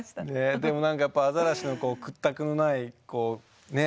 でも何ややっぱアザラシの屈託のないね